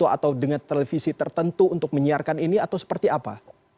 atau dengan televisi tertentu untuk menyiarkan ini atau seperti apa